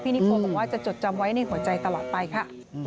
นิโคบอกว่าจะจดจำไว้ในหัวใจตลอดไปค่ะ